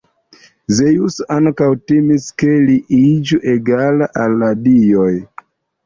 Zeŭso ankaŭ timis, ke li iĝu egala al la dioj.